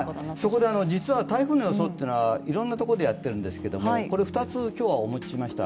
そこで実は台風の予想というのはいろんなところでやっているんですけれども、これ２つ、今日はお持ちしました。